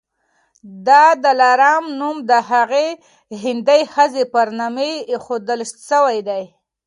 د دلارام نوم د هغي هندۍ ښځي پر نامي ایښودل سوی دی.